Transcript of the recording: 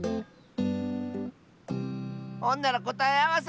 ほんならこたえあわせ！